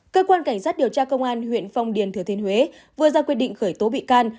cơ quan cảnh sát điều tra công an huyện phong điền thừa thiên huế vừa ra quyết định khởi tố bị can